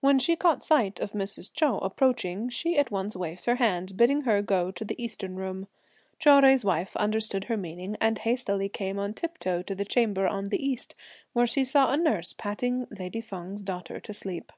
When she caught sight of Mrs. Chou approaching, she at once waved her hand, bidding her go to the eastern room. Chou Jui's wife understood her meaning, and hastily came on tiptoe to the chamber on the east, where she saw a nurse patting lady Feng's daughter to sleep.